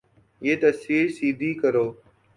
یہ تصویر سیدھی کرو